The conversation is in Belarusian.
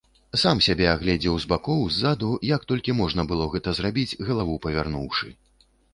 Сам сябе агледзеў з бакоў, ззаду, як толькі можна было гэта зрабіць, галаву павярнуўшы.